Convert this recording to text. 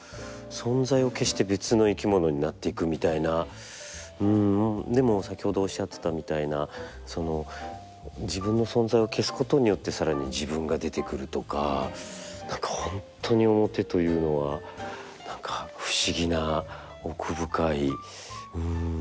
逆にこういう面をつけて一回でも先ほどおっしゃってたみたいな自分の存在を消すことによって更に自分が出てくるとか何か本当に面というのは何か不思議な奥深いうん。